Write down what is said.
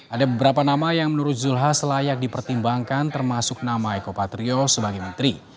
ada beberapa nama yang menurut zulhas layak dipertimbangkan termasuk nama eko patrio sebagai menteri